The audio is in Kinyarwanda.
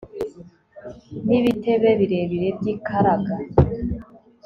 n'ibitebe birebire byikaraga